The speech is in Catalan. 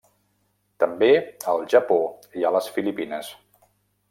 També al Japó i a les Filipines.